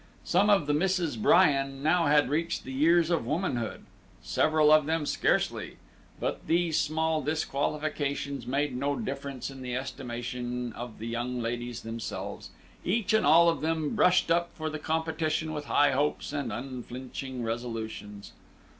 Some of the Misses Bryan had now reached the years of womanhood, several of them scarcely, but these small disqualifications made no difference in the estimation of the young ladies themselves; each and all of them brushed up for the competition with high hopes and unflinching resolutions.